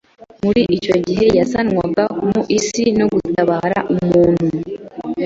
muri icyo gihe yazanwaga mu isi no gutabara umuntu.